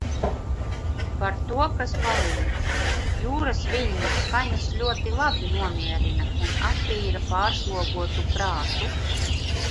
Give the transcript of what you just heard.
Par to, kas palīdz. Jūras viļņu skaņas ļoti labi nomierina un attīra pārslogotu prātu.